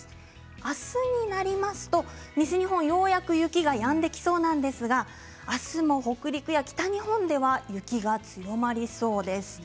あすになりますと西日本ようやく雪がやんできそうなんですがあすも北陸や北日本では雪が強まりそうです。